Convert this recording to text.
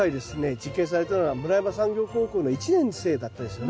実験されたのは村山産業高校の１年生だったんですよね。